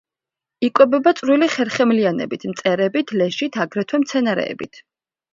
იკვებება წვრილი ხერხემლიანებით, მწერებით, ლეშით, აგრეთვე მცენარეებით.